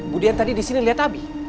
bu dian tadi di sini lihat abi